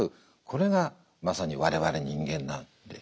これがまさに我々人間なんで。